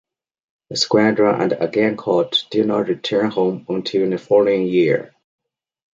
The squadron and "Agincourt" did not return home until the following year.